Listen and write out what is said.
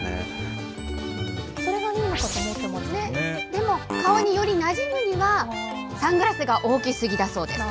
でも顔によりなじむには、サングラスが大きすぎだそうです。